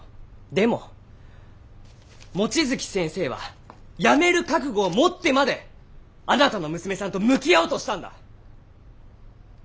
でも望月先生は辞める覚悟を持ってまであなたの娘さんと向き合おうとしたんだ！